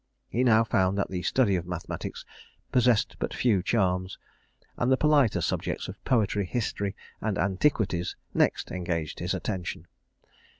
He now found that the study of mathematics possessed but few charms; and the politer subjects of poetry, history, and antiquities, next engaged his attention.